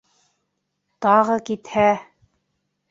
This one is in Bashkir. Тағы китһә...